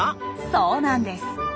そうなんです！